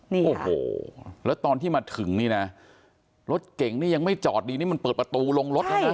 โอ้โหแล้วตอนที่มาถึงนี่นะรถเก่งนี่ยังไม่จอดดีนี่มันเปิดประตูลงรถแล้วนะ